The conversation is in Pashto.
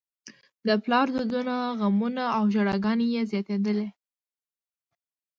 د پلار دردونه، غمونه او ژړاګانې یې زياتېدلې.